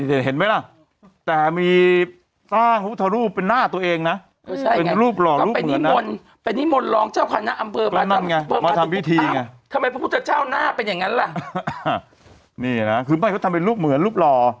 ทำไมพระพุทธเจ้าหน้าเป็นอย่างนั้นล่ะนี่นะคือไม่เขาทำเป็นรูปเหมือนรูปหล่อ